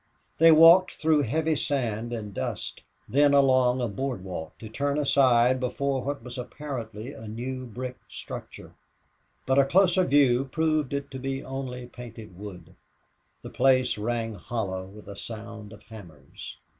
They walked through heavy sand and dust, then along a board walk, to turn aside before what was apparently a new brick structure, but a closer view proved it to be only painted wood. The place rang hollow with a sound of hammers.